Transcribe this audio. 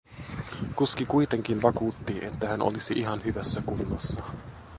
Kuski kuitenkin vakuutti, että hän olisi ihan hyvässä kunnossa.